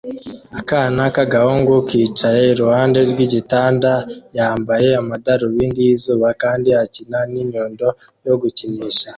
Akana k'agahungu kicaye iruhande rw'igitanda yambaye amadarubindi y'izuba kandi akina n'inyundo yo gukinisha